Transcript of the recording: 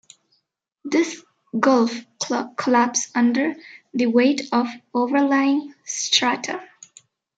This goaf collapses under the weight of the overlying strata.